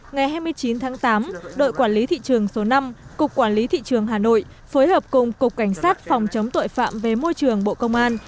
ngày hai mươi chín tháng tám đội quản lý thị trường số năm cục quản lý thị trường hà nội phối hợp cùng cục cảnh sát phòng chống tội phạm về môi trường bộ công an